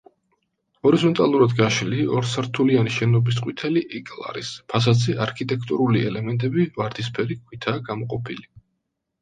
ჰორიზონტალურად გაშლილი, ორსართულიანი შენობის ყვითელი ეკლარის ფასადზე არქიტექტურული ელემენტები ვარდისფერი ქვითაა გამოყოფილი.